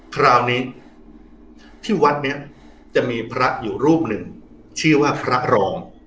คราวนี้ที่วัดนี้จะมีพระอยู่รูปหนึ่งชื่อว่าพระรอง